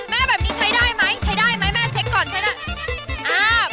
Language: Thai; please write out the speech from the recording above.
แม่แบบนี้ใช้ได้ไหมใช้ได้ไหมแม่เช็คก่อนใช้ได้